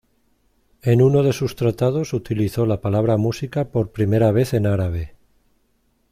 En uno de sus tratados utilizó la palabra música por primera vez en árabe.